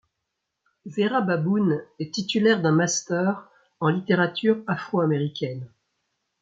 Vera Baboun est titulaire d'un master en littérature afro-américaine.